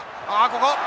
ここ。